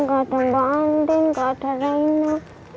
gak ada mbak andin gak ada reina